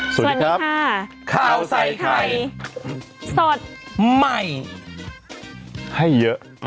สวัสดีครับข้าวใส่ไข่สดใหม่ให้เยอะ